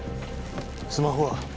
スマホは？